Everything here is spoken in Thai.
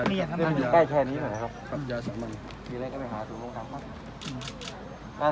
แค่แค่นี้หน่อยครับครับยาสามัญมีอะไรก็ได้หาสู่โรงทรัพย์มา